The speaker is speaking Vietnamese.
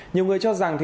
nhiều người cho rằng